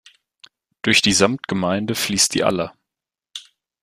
Durch die Samtgemeinde fließt die Aller.